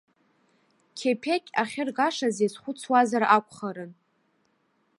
Қьеԥеқь ахьыргашаз иазхәыцуазар акәхарын.